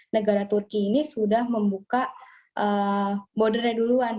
negara turki ini sudah membuka bordernya duluan